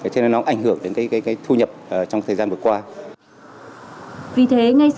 thế nên nó ảnh hưởng đến cái thu nhập trong thời gian vừa qua